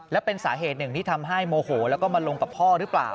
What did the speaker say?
และเป็นสาเหตุหนึ่งที่ทำให้โมโหแล้วก็มาลงกับพ่อหรือเปล่า